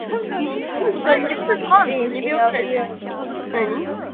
One of Harbin's beers is a wheat beer.